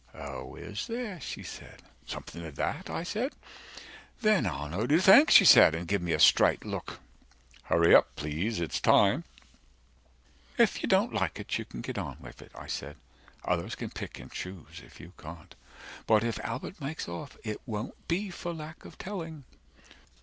Oh is there, she said. Something o' that, I said. 150 Then I'll know who to thank, she said, and give me a straight look. HURRY UP PLEASE ITS TIME If you don't like it you can get on with it, I said, Others can pick and choose if you can't. But if Albert makes off, it won't be for lack of telling.